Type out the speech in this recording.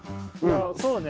そうね。